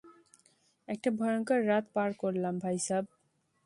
একটা ভয়ংকর রাত পার করলাম ভাইসাব।